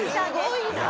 すごいな！